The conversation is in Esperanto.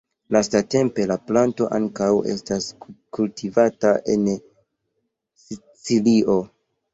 Lastatempe la planto ankaŭ estas kultivata en Sicilio.